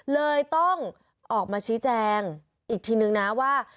เลยต้องออกมาชี้แจงอีกทีนึงนะว่า